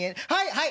はい！